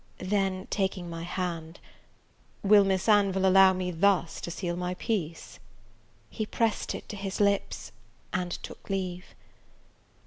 Then, taking my hand, "Will Miss Anville allow me thus to seal my peace?" he pressed it to his lips, and took leave.